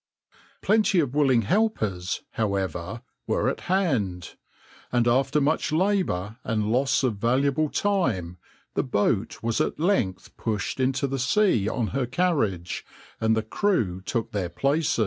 Plenty of willing helpers, however, were at hand, and after much labour and loss of valuable time, the boat was at length pushed into the sea on her carriage, and the crew took their places.